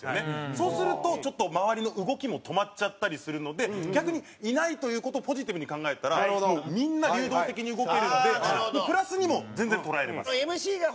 そうすると周りの動きも止まっちゃったりするので逆にいないという事をポジティブに考えたらみんな流動的に動けるのでプラスにも全然捉えられます。